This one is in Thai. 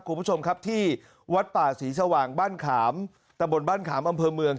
คุณผู้ชมครับที่วัดป่าศรีสว่างบ้านขามตะบนบ้านขามอำเภอเมือง